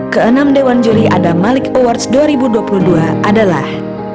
keenam dewan juri adam malik awards dua ribu dua puluh dua adalah